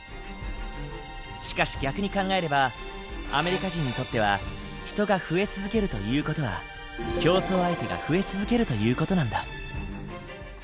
しかし逆に考えればアメリカ人にとっては人が増え続けるという事は競争相手が増え続けるという事なんだ。